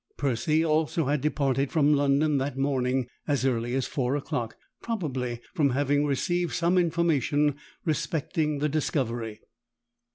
Percy also had departed from London that morning as early as four o'clock, probably from having received some information respecting the discovery.